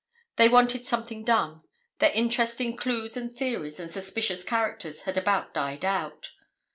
They wanted something done; their interest in clues and theories and suspicious characters had about died out.